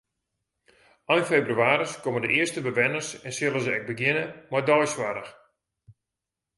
Ein febrewaris komme de earste bewenners en sille se ek begjinne mei deisoarch.